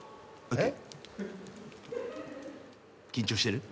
えっ！？